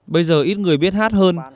bây giờ ít người biết hát hơn